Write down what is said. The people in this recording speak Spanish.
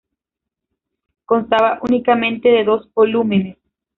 Constaba únicamente de dos volúmenes.